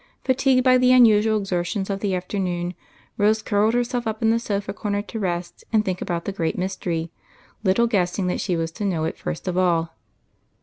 Fatigued by the unusual exertions of the afternoon. Rose curled herself up in the sofa corner to rest and think about the great mystery, little guessing that she was to know it first of all.